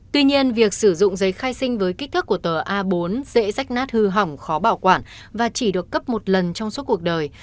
tuy nhiên việc sử dụng giấy khai sinh với kích thước của tờ a bốn dễ rách nát hư hỏng khó bảo quản và chỉ được cấp một lần trong suốt cuộc đời